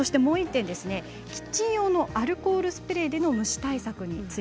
キッチン用のアルコールスプレーでの虫対策です。